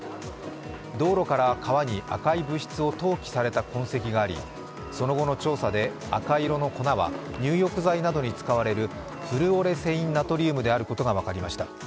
道路から川に赤い物質を投棄された痕跡がありその後の調査で、赤色の粉は入浴剤などに使われるフルオレセインナトリウムであることが分かりました。